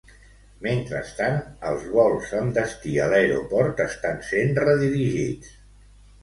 Mentrestant, els vols amb destí a l'Aeroport estan sent redirigits.